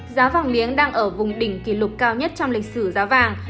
giá vàng miếng đang ở vùng đỉnh kỷ lục cao nhất trong lịch sử giá vàng